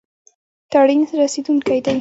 ټرین رسیدونکی دی